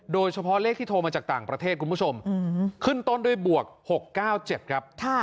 โดยเฉพาะเลขที่โทรมาจากต่างประเทศคุณผู้ชมขึ้นต้นด้วยบวก๖๙๗ครับ